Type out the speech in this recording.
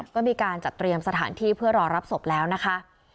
ก็มีการจัดเตรียมสถานที่เพื่อรอรับศพแล้วนะคะ